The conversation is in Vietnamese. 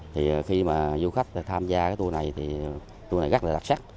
thì khi mà du khách tham gia cái tour này thì tour này rất là đặc sắc